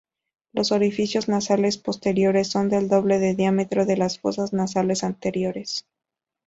Los orificios nasales posteriores son del doble de diámetro de las fosas nasales anteriores.